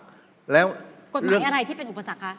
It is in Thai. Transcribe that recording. แล้วกฎหมายอะไรที่เป็นอุปสรรคคะ